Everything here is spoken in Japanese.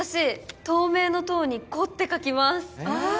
透明の透に子って書きますああ